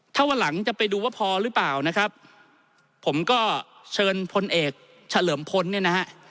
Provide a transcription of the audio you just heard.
ถ้าวันหลังจะไปดูว่าพอหรือเปล่านะครับผมก็เชิญพลเอกเฉลิมพลเนี่ยนะฮะ